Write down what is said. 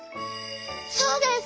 そうです！